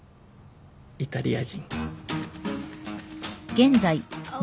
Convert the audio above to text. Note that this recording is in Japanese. イタリア人おう。